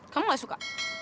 kamu gak suka